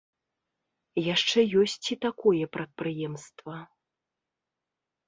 Яшчэ ёсць і такое прадпрыемства.